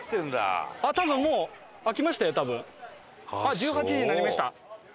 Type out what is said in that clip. １８時になりました。